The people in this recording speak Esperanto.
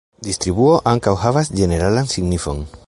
Distribuo ankaŭ havas ĝeneralan signifon.